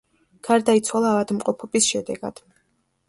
გარდაიცვალა ავადმყოფობის შედეგად.